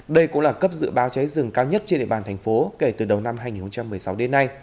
đây cũng là cấp dự báo cháy rừng cao nhất trên địa bàn thành phố kể từ đầu năm hai nghìn một mươi sáu đến nay